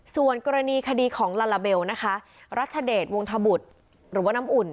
ส่วนกรณีคดีของลาลาเบลนะคะรัชเดชวงธบุตรหรือว่าน้ำอุ่น